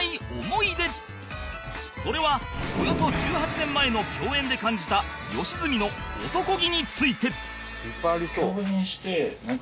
それはおよそ１８年前の共演で感じた良純の男気についてでもそう見えてあの。